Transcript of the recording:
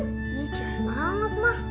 iya jauh banget mah